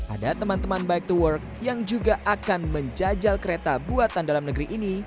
ada teman teman bike to work yang juga akan menjajal kereta buatan dalam negeri ini